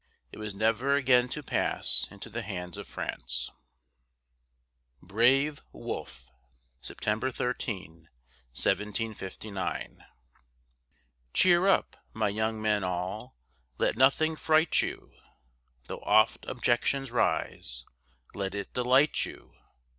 It was never again to pass into the hands of France. BRAVE WOLFE [September 13, 1759] Cheer up, my young men all, Let nothing fright you; Though oft objections rise, Let it delight you.